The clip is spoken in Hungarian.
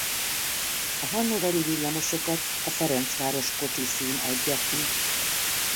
A hannoveri villamosokat a Ferencváros kocsiszín adja ki.